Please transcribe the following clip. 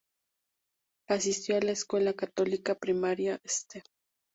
Asistió a la Escuela Católica Primaria St.